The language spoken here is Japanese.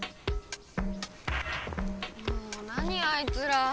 もう何あいつら。